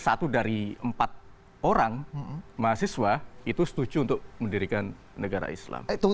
jadi satu dari empat orang mahasiswa itu setuju untuk mendirikan negara islam